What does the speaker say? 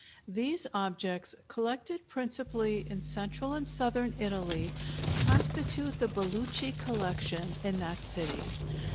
These objects, collected principally in central and southern Italy, constitute the Belucci Collection, in that city.